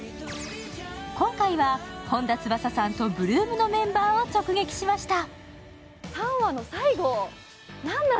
今回は本田翼さんと８ＬＯＯＭのメンバーを直撃しました。